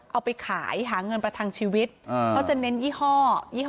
เอาไปขายหาเงินประทังชีวิตเขาจะเน้นยี่ห้อี่